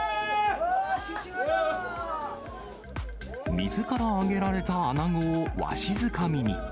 水から揚げられた穴子をわしづかみに。